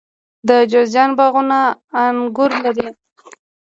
د جوزجان باغونه انګور لري.